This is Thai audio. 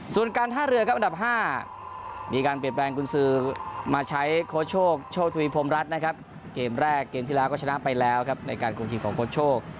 ส่วนการท่าเรือครับอันดับ๕มีการเปลี่ยนแปลงกุญสือมาใช้โค้ชโชคโชคทวีพรมรัฐนะครับเกมแรกเกมที่แล้วก็ชนะไปแล้วครับในการคุมทีมของโค้ชโชค